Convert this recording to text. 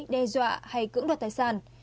đe dọa hay cưỡng đoạt tài sản